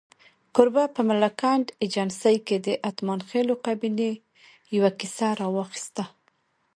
کوربه په ملکنډ ایجنسۍ کې د اتمانخېلو قبیلې یوه کیسه راواخسته.